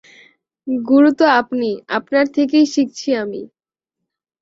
গুরু তো আপনি, আপনার থেকেই শিখছি আমি।